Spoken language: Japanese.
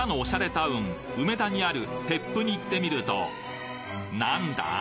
タウン梅田にあるＨＥＰに行ってみると何だ？